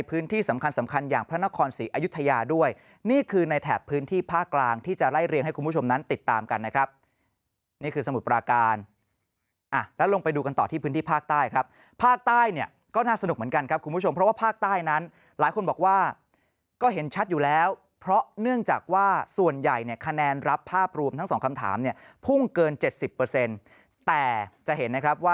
พื้นที่สำคัญสำคัญอย่างพระนครศรีอยุธยาด้วยนี่คือในแถบพื้นที่ภาคกลางที่จะไล่เรียงให้คุณผู้ชมนั้นติดตามกันนะครับนี่คือสมุทรปราการแล้วลงไปดูกันต่อที่พื้นที่ภาคใต้ครับภาคใต้เนี่ยก็น่าสนุกเหมือนกันครับคุณผู้ชมเพราะว่าภาคใต้นั้นหลายคนบอกว่าก็เห็นชัดอยู่แล้วเพราะเนื่